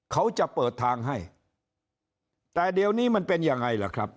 เขาจะเปิดทางให้แต่เดี๋ยวนี้มันเป็นยังไงล่ะครับ